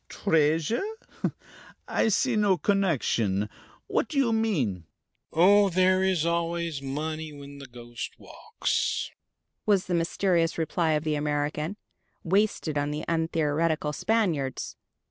Treasure? I see no connection. What do you mean?" "Oh, there is always money when the ghost walks," was the mysterious reply of the American, wasted on the untheatrical Spaniards.